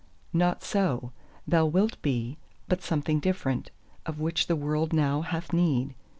Not so; thou wilt be; but something different, of which the World now hath need.